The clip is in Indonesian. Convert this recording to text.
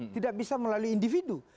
tidak bisa melalui individu